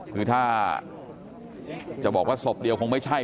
กลุ่มตัวเชียงใหม่